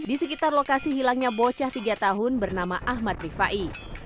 di sekitar lokasi hilangnya bocah tiga tahun bernama ahmad rifai